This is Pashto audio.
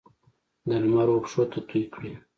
د لمر وپښوته توی کړي